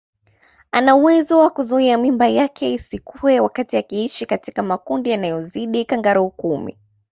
Ana uwezo wa kuzuia mimba yake isikue wakati akiishi katika makundi yanayozidi kangaroo kumi